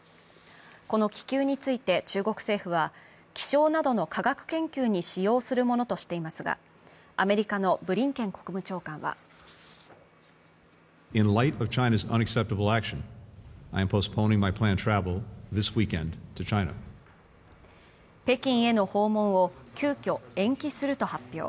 この気球について中国政府は気象などの科学研究に使用するものとしていますが、アメリカのブリンケン国務長官は北京への訪問を急きょ延期すると発表。